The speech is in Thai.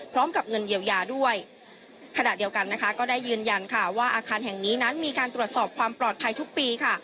พร้อมกับเงินเยียวยาด้วยขณะเดียวกันนะคะก็ได้ยืนยันค่ะว่าอาคารแห่งนี้นั้นมีการตรวจสอบความปลอดภัยทุกปีค่ะ